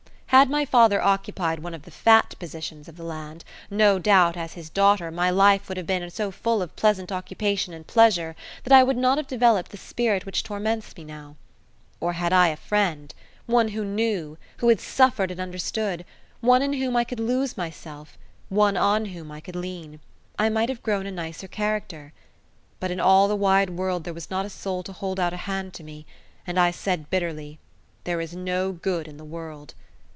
Had my father occupied one of the fat positions of the land, no doubt as his daughter my life would have been so full of pleasant occupation and pleasure that I would not have developed the spirit which torments me now. Or had I a friend one who knew, who had suffered and understood, one in whom I could lose myself, one on whom I could lean I might have grown a nicer character. But in all the wide world there was not a soul to hold out a hand to me, and I said bitterly, "There is no good in the world."